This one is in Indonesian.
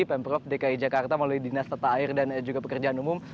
pemprov dki jakarta melalui dinas tata air dan juga pekerjaan umum